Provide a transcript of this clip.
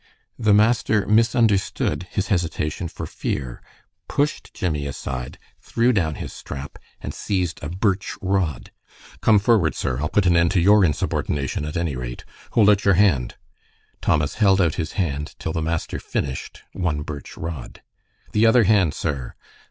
The master misunderstood his hesitation for fear, pushed Jimmie aside, threw down his strap, and seized a birch rod. "Come forward, sir! I'll put an end to your insubordination, at any rate. Hold out your hand!" Thomas held out his hand till the master finished one birch rod. "The other hand, sir!"